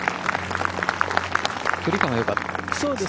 距離感はよかったですね。